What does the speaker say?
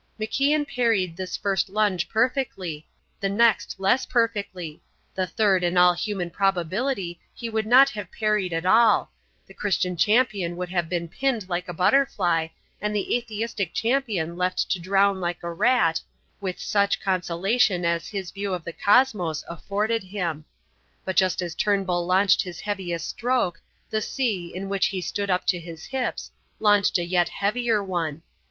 MacIan parried this first lunge perfectly, the next less perfectly; the third in all human probability he would not have parried at all; the Christian champion would have been pinned like a butterfly, and the atheistic champion left to drown like a rat, with such consolation as his view of the cosmos afforded him. But just as Turnbull launched his heaviest stroke, the sea, in which he stood up to his hips, launched a yet heavier one.